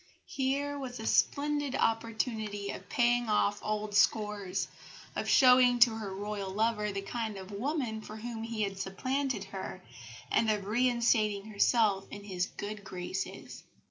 Here was a splendid opportunity of paying off old scores, of showing to her Royal lover the kind of woman for whom he had supplanted her, and of reinstating herself in his good graces.